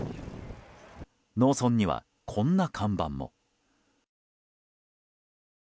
農村には、こんな看板も。